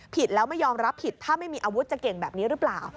แล้วไม่ยอมรับผิดถ้าไม่มีอาวุธจะเก่งแบบนี้หรือเปล่า